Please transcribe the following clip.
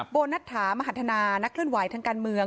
โบนัฐามหัฒนานักเคลื่อนไหวทางการเมือง